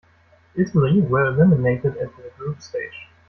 Italy were eliminated at the group stage.